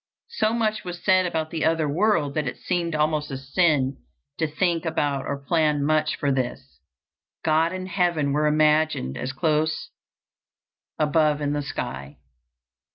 So much was said about the other world that it seemed almost a sin to think about or plan much for this. God and heaven were imagined as close above in the sky?